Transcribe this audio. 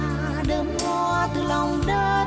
đôi lúa tình ca đơm hoa từ lòng đất